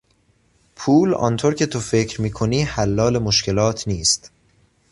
پول آنطور که تو فکر میکنی حلال مشکلات نیست!